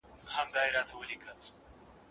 او که هر یو د ځان په غم دی له یخنیه غلی